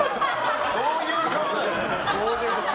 どういう顔なの？